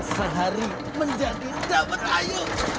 sehari menjadi dapat ayu